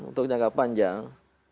untuk jangka panjang